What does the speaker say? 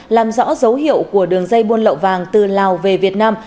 làm rõ dấu hiệu của đường dây buôn lậu vàng từ lào về việt nam